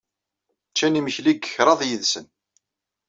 Ččan imekli deg kraḍ yid-sen.